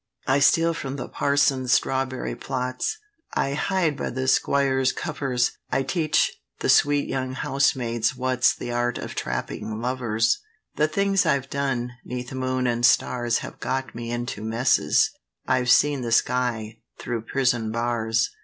"I steal from th' parson's strawberry plots, I hide by th' squire's covers; I teach the sweet young housemaids what's The art of trapping lovers. "The things I've done 'neath moon and stars Have got me into messes: I've seen the sky through prison bars.